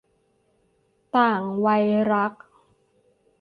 ต่างวัยรัก